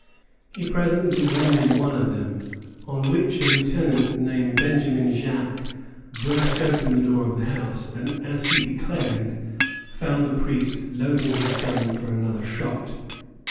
He presently wounded one of them, on which a lieutenant named Benjamin Jaques burst open the door of the house, and, as he declared, found the priest loading his gun for another shot.